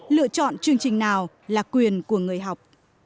lựa chọn chương trình nào là quyền của người học